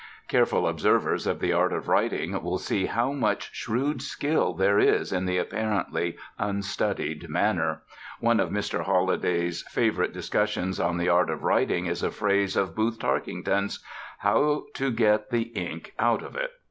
Careful observers of the art of writing will see how much shrewd skill there is in the apparently unstudied manner. One of Mr. Holliday's favorite discussions on the art of writing is a phrase of Booth Tarkington's "How to get the ink out of it."